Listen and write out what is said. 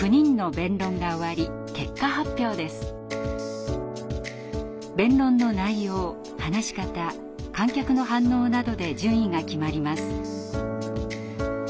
弁論の内容話し方観客の反応などで順位が決まります。